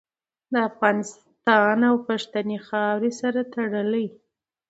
د افغانستان او پښتنې خاورې سره تړلې